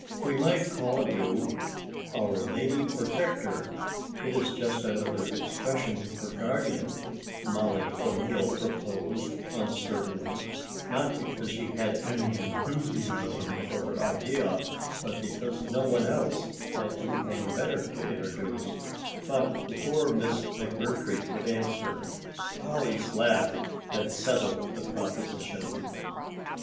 "We might call you 'Our Lady Protector'; it is just another expression for guardian," Mollie O'Neill proposed uncertainly, not because she had any enthusiasm for her idea but because no one else had anything better to introduce, but before Miss McMurtry could answer, Polly's laugh had settled the proposition.